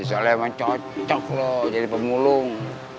insya allah emang cocok loh jadi pemulung